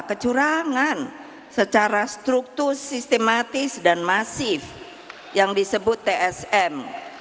kecurangan secara struktur sistematis dan masif yang disebut tsm